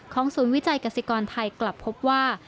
ศูนย์วิจัยกษิกรไทยกลับพบว่า